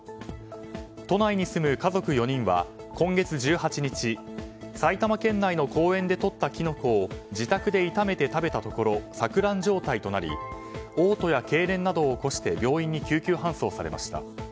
都内に住む家族４人は今月１８日埼玉県内の公園でとったキノコを自宅で炒めて食べたところ錯乱状態となりおう吐やけいれんなどを起こして病院に救急搬送されました。